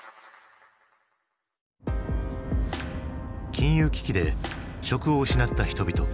金融危機で職を失った人々。